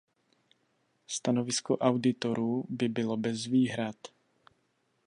Stanovisko auditorů by bylo bez výhrad.